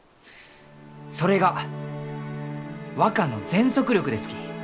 それが若の全速力ですき。